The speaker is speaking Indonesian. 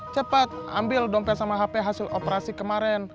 cepat ambil dompet sama hp hasil operasi kemarin